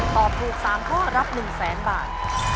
ตอบถูกสามข้อรับ๑๐๐๐๐๐บาท